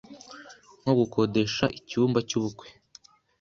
nko gukodesha icyumba cy’ubukwe